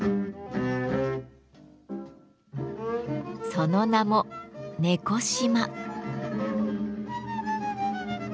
その名も猫島。